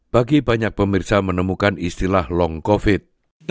bagi banyak pemirsa menemukan istilah long covid